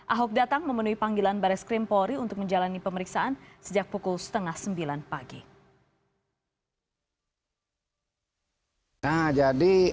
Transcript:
ahok datang memenuhi panggilan baris krimpori untuk menjalani pemeriksaan sejak pukul setengah sembilan pagi